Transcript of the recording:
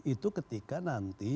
itu ketika nanti